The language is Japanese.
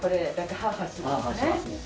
はーはーしますね。